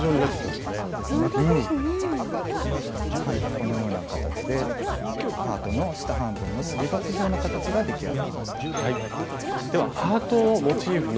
このような形でハートの下半分のすり鉢状の形が出来上がりました。